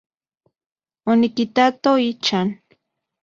Onikitato ichan.